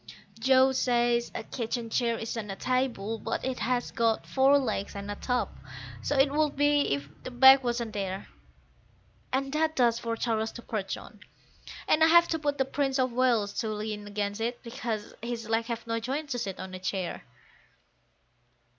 Joe says a kitchen chair isn't a table; but it has got four legs and a top, so it would be if the back wasn't there; And that does for Charles to perch on, and I have to put the Prince of Wales to lean against it, because his legs have no joints to sit on a chair.